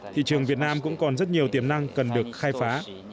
thị trường việt nam cũng còn rất nhiều tiềm năng cần được khai phá